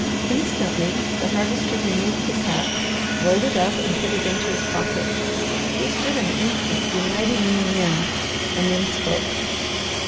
Instantly the Harvester removed his hat, rolled it up, and put it into his pocket. He stood an instant delighting in the wind and then spoke.